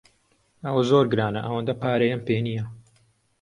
ئەوە زۆر گرانە، ئەوەندە پارەیەم پێ نییە.